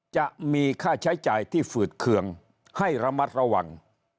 จะมีค่าใช้จ่ายที่ฝืดเคืองให้ระมัดระวัง